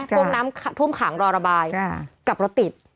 พวกน้ำท่วมขังรอระบายกับรถติด